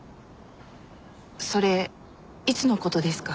それいつの事ですか？